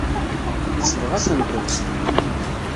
Yesbeɣ-asen-ten.